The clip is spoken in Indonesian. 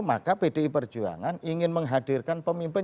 maka pdi perjuangan ingin menghadirkan pemimpin